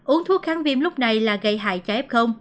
uống thuốc kháng viêm lúc này là gây hại cho ép không